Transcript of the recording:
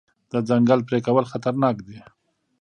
د ځنګل پرې کول خطرناک دي.